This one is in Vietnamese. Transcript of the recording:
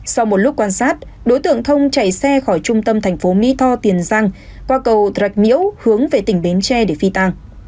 sau một lúc quan sát đối tượng thông chạy xe khỏi trung tâm tp hcm tiền giang qua cầu trạch miễu hướng về tỉnh bến tre để phi tàng